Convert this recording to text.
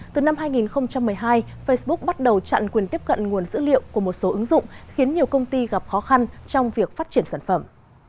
từ năm hai nghìn một mươi hai facebook bắt đầu chặn quyền tiếp cận nguồn dữ liệu của một số ứng dụng khiến nhiều công ty gặp khó khăn trong việc phát triển sản phẩm